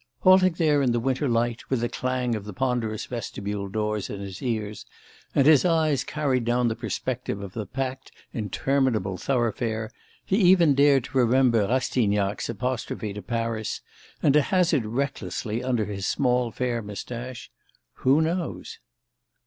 Halting there in the winter light, with the clang of the ponderous vestibule doors in his ears, and his eyes carried down the perspective of the packed interminable thoroughfare, he even dared to remember Rastignac's apostrophe to Paris, and to hazard recklessly under his small fair moustache: "Who knows?"